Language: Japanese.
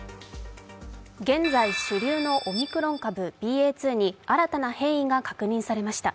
現在主流のオミクロン株ＢＡ．２に新たな変異が見つかりました